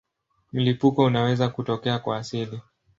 Mlipuko unaweza kutokea kwa asili.